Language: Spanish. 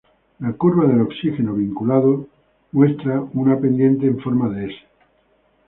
La curva del oxígeno vinculado muestra una pendiente en forma de "S".